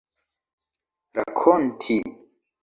rakonti